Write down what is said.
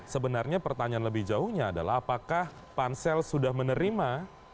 sebenarnya pertanyaan lebih jauhnya adalah apakah pansel sudah menerima